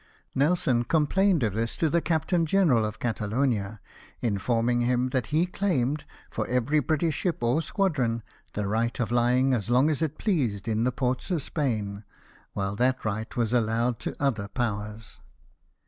Nelson complained of this to the Captain General of Catalonia, informing him that he claimed, for every British ship or squadron, the right of lying as long as it pleased in the ports of Spain, while that STATIONED OFF TOULON. 279 right was allowed to other Powers.